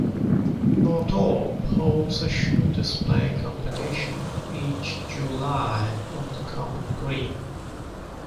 Northorpe holds a shoe display competition each July on the common green.